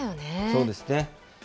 そうですね。